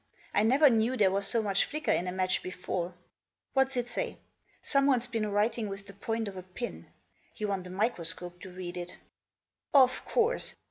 I never knew there was so much flicker in a match before. What's it say ? Someone's been writing with the point of a pin ; you want a microscope to read it. Of course